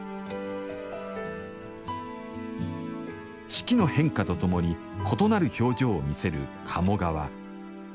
四季の変化とともに異なる表情を見せる鴨川。